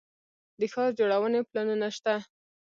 د ښار جوړونې پلانونه شته